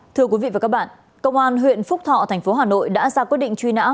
thưa quý vị và các bạn công an huyện phúc thọ thành phố hà nội đã ra quyết định truy nã